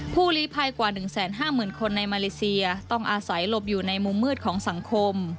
ลีภัยกว่า๑๕๐๐๐คนในมาเลเซียต้องอาศัยหลบอยู่ในมุมมืดของสังคม